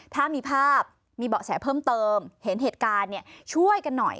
ถ้ามีภาพมีเบาะแสเพิ่มเติมเห็นเหตุการณ์ช่วยกันหน่อย